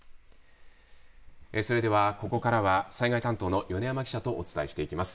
それではここからは災害担当の米山記者とお伝えしていきます。